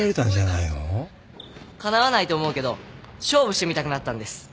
かなわないと思うけど勝負してみたくなったんです。